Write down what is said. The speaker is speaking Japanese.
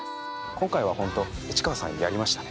今回は本当市川さんやりましたね。